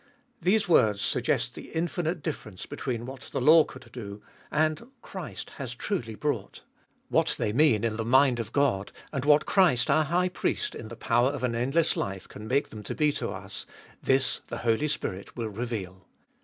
These words suggest the infinite difference between what the law could do, and Christ has truly brought. What they mean in the mind of God, and what Christ our High Priest in the power of an endless life can make them to be to us, this the Holy Spirit will reveal.